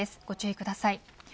ご注意ください。